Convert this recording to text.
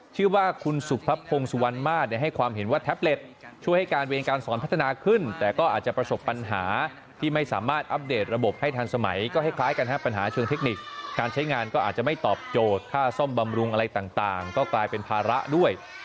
เพราะฉะนั้นก็อาจจะไม่ตอบโจทย์ค่าซ่อมบำรุงอะไรต่างก็กลายเป็นภาระด้วย